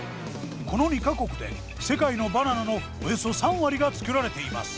この２か国で世界のバナナのおよそ３割が作られています。